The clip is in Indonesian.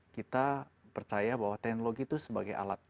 kita percaya bahwa teknologi itu sebagai alat